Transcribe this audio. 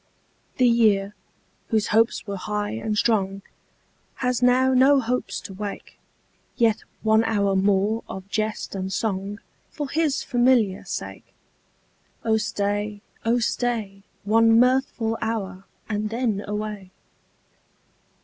The year, whose hopes were high and strong, Has now no hopes to wake ; Yet one hour more of jest and song For his familiar sake. Oh stay, oh stay, One mirthful hour, and then away.